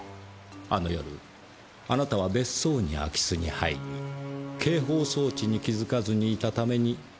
あの夜あなたは別荘に空き巣に入り警報装置に気づかずにいたために捕まってしまった。